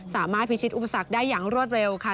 สามารถพิชิตอุปสรรคได้อย่างรวดเร็วค่ะ